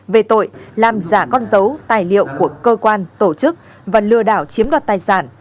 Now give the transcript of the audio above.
về tội làm giả con dấu tài liệu của cơ quan tổ chức và lừa đảo chiếm đoạt tài sản